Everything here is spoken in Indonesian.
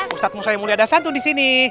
ustadz musaymuli adasantu di sini